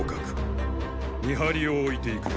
見張りを置いていく。